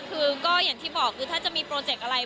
คือก็อย่างที่บอกคือถ้าจะมีโปรเจกต์อะไร